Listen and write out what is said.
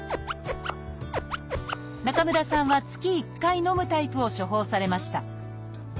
中村さんは月１回のむタイプを処方されました。